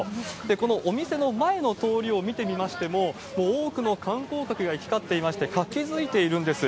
このお店の前の通りを見てみましても、もう多くの観光客が行き交っていまして、活気づいているんです。